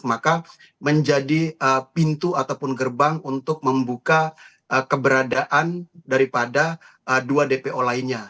maka menjadi pintu ataupun gerbang untuk membuka keberadaan daripada dua dpo lainnya